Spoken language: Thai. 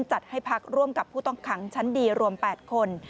จัดให้พักร่วมกับผู้ต้องขังชั้นดีรวม๘คน